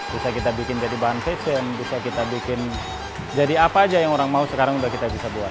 bisa kita bikin jadi bahan fashion bisa kita bikin jadi apa aja yang orang mau sekarang udah kita bisa buat